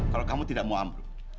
kalau kamu tidak mau ambruk